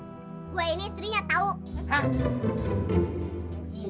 gue ini istrinya tau